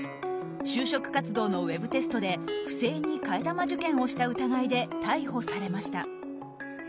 就職活動のウェブテストで不正に替え玉受験をした疑いで逮捕されました。